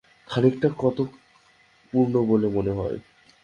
খনিটা কতো পুরনো বলে মনে হয়?